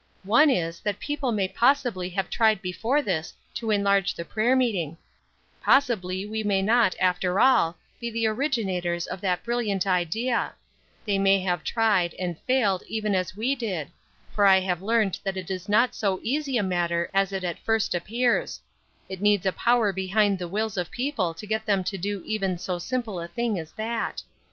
One is, that people may possibly have tried before this to enlarge the prayer meeting; possibly we may not, after all, be the originators of that brilliant idea; they may have tried, and failed even as we did; for I have learned that it is not so easy a matter as it at first appears; it needs a power behind the wills of people to get them to do even so simple a thing as that.